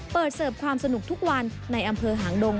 เสิร์ฟความสนุกทุกวันในอำเภอหางดง